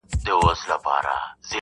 ته توپک را واخله ماته بم راکه.